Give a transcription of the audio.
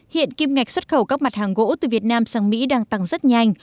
hiện kim ngạch xuất khẩu các mặt hàng gỗ từ việt nam sang mỹ đang tăng rất nhanh